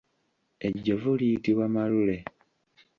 Ejjovu liyitibwa malule.